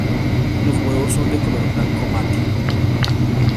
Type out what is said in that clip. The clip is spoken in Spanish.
Los huevos son de color blanco mate.